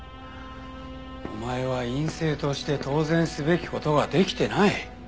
お前は院生として当然すべき事ができてない。